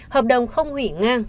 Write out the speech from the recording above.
hợp đồng không hủy ngang